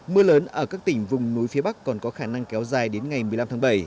mưa lớn ở các tỉnh vùng núi phía bắc còn có khả năng kéo dài đến ngày một mươi năm tháng bảy